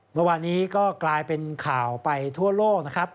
เมื่อวานนี้ก็กลายเป็นข่าวไปทั่วโลกนะครับ